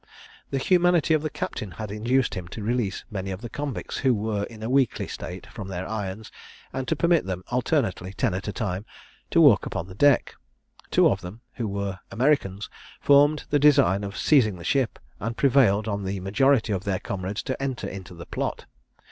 The humanity of the captain had induced him to release many of the convicts who were in a weakly state from their irons, and to permit them alternately, ten at a time, to walk upon deck. Two of them, who were Americans, formed the design of seizing the ship, and prevailed on the majority of their comrades to enter into the plot.